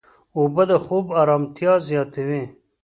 اوبه د خوب ارامتیا زیاتوي.